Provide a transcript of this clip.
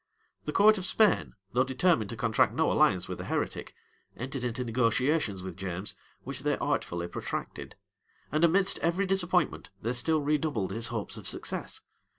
The court of Spain, though determined to contract no alliance with a heretic,[] entered into negotiations with James, which they artfully protracted; and, amidst every disappointment, they still redoubled his hopes of success.